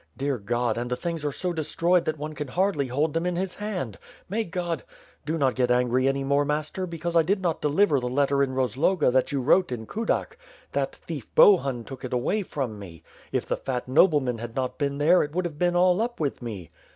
Dear God, and the things are so destroyed that one can hardly hold them in his hand. May God ... do not get angry any more, master, because I did not deliver the letter in Rozloga that you wrote in Kudak. ... That thief, Bohun, took it away from me. If the fat nobleman had not been there, it would have been all up with me.''